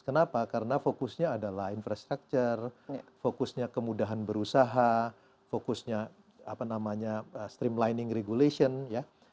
kenapa karena fokusnya adalah infrastructure fokusnya kemudahan berusaha fokusnya apa namanya streamlining regulation ya